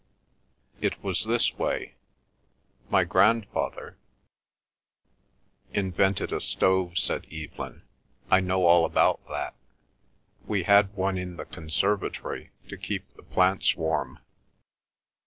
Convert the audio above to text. It was this way. My grandfather—" "Invented a stove," said Evelyn. "I know all about that. We had one in the conservatory to keep the plants warm."